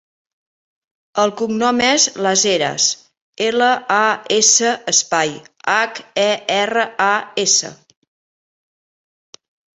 El cognom és Las Heras: ela, a, essa, espai, hac, e, erra, a, essa.